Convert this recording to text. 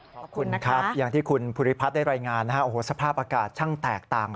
ขอบคุณครับอย่างที่คุณภูริพัฒน์ได้รายงานนะฮะโอ้โหสภาพอากาศช่างแตกต่าง